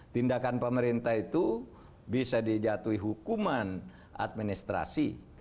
tindakan pemerintah itu bisa dijatuhi hukuman administrasi